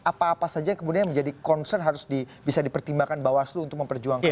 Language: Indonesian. apa apa saja kemudian yang menjadi concern harus bisa dipertimbangkan bawaslu untuk memperjuangkan ini